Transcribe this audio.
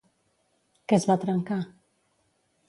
Què es va trencar?